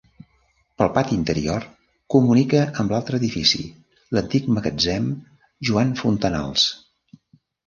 Pel pati interior comunica amb l'altre edifici, l'antic Magatzem Joan Fontanals.